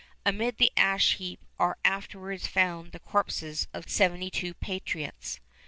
Amid the ash heap are afterwards found the corpses of seventy two patriots.